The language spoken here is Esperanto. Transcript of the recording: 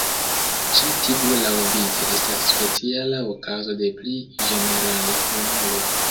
Ĉi tiu laŭvice estas speciala okazo de pli ĝenerala formulo.